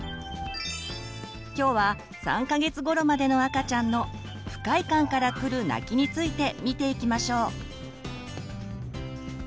今日は３か月ごろまでの赤ちゃんの「不快感からくる泣き」について見ていきましょう。